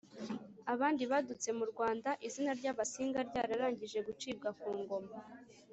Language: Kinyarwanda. abandi badutse mu rwanda izina ry’abasinga ryararangije gucibwa ku ngoma.